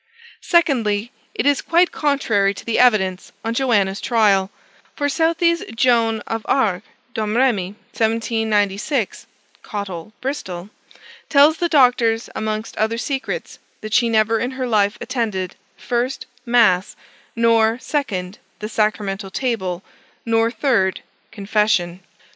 2dly, it is quite contrary to the evidence on Joanna's trial; for Southey's "Joan" of A. Dom. 1796 (Cottle, Bristol), tells the doctors, amongst other secrets, that she never in her life attended 1st, Mass; nor 2d, the Sacramental table; nor 3d, Confession.